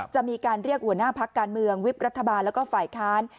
จะมีการเรียกหัวหน้าพักการเมืองวิบรัฐบาลแล้วก็ฝ่ายค้าน